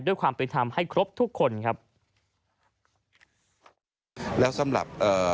ด้วยความเป็นธรรมให้ครบทุกคนครับ